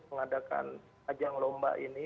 mengadakan ajang lomba ini